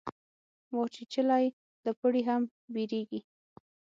مار چیچلی له پړي هم بېريږي.